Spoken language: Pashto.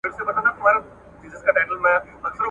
پر لوړ ځای ودرېږه!